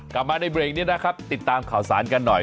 กลับมาในเบรกนี้นะครับติดตามข่าวสารกันหน่อย